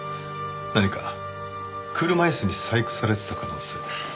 何か車椅子に細工されてた可能性。